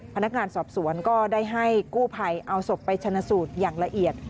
พนักงานสอบสวนก็ได้ให้กู้ภัยเอาศพไปชนะสูตรอย่างละเอียด